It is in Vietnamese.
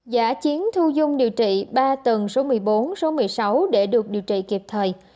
giả chiến thu dung điều trị ba tầng số một mươi bốn số một mươi sáu để được điều trị kịp thời